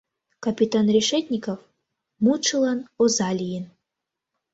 Капитан Решетников мутшылан оза лийын.